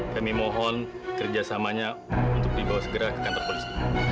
kami mohon kerja samanya untuk dibawa segera ke kantor polis